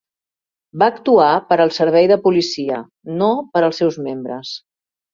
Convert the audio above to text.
Va actuar per al servei de policia, no per als seus membres